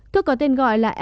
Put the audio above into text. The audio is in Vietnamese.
thuốc có tên gọi là